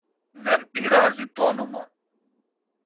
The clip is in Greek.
Δεν πειράζει τ' όνομα